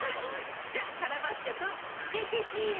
じゃカラバッチョくん。ヘヘヘ。